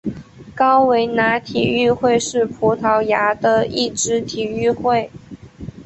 高维拿体育会是葡萄牙的一支体育会。